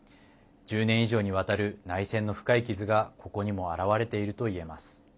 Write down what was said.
１０年以上にわたる内戦の深い傷がここにも現れているといえます。